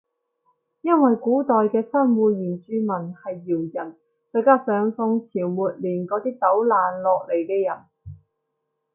因為古代嘅新會原住民係瑤人再加上宋朝末年嗰啲走難落嚟嘅人